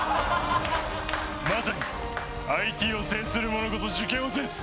まずＩＴを制する者こそ受験を制す。